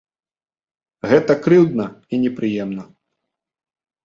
Гэта крыўдна і непрыемна.